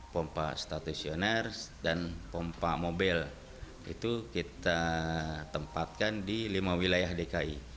pompa stasioner dan pompa mobil itu kita tempatkan di lima wilayah dki